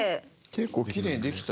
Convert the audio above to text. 結構きれいにできた。